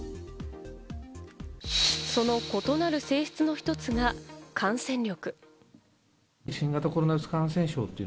その異なる性質の１つが感染力。